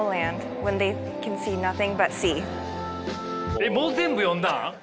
えっもう全部読んだん？